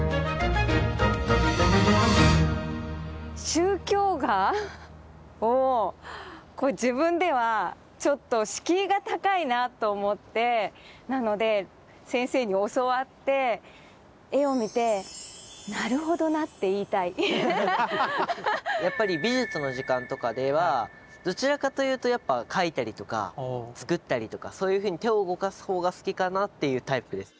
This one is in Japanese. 宗教画を自分ではちょっと敷居が高いなと思ってなので先生に教わってやっぱり美術の時間とかではどちらかというとやっぱ描いたりとか作ったりとかそういうふうに手を動かす方が好きかなっていうタイプです。